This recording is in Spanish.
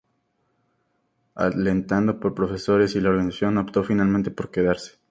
Alentado por profesores y la organización, optó finalmente por quedarse.